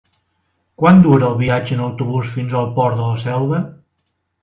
Quant dura el viatge en autobús fins al Port de la Selva?